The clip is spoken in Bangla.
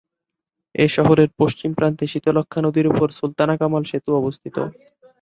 এ শহরের পশ্চিম প্রান্তে শীতলক্ষ্যা নদীর উপর সুলতানা কামাল সেতু অবস্থিত।